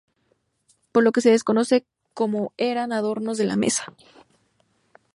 Por lo que se desconoce cómo eran los adornos de la mesa.